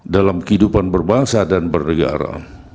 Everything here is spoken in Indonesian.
dalam kehidupan berbangsa dan bernegara